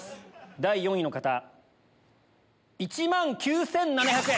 第４位の方１万９７００円。